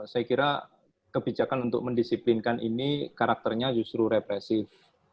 saya kira kebijakan untuk mendisiplinkan ini karakternya justru represif